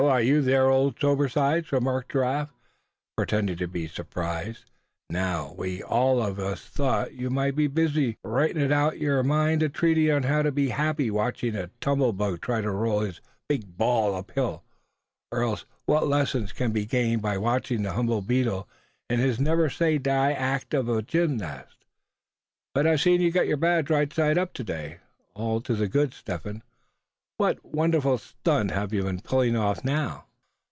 are you there, old sobersides?" remarked Giraffe, pretending to be surprised; "now, we all of us thought you might be busy writin' out in your mind a treatise on how to be happy watching a tumble bug try to roll his big ball uphill; or else what lessons can be gained by watching the humble beetle in his never say die act as a gymnast. But I see you've got your badge right side up to day, all to the good, Step Hen; what wonderful stunt have you been pulling off now?"